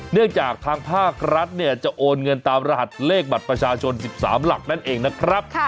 เนื่องจากทางภาครัฐจะโอนเงินตามรหัสเลขบัตรประชาชน๑๓หลักนั่นเองนะครับ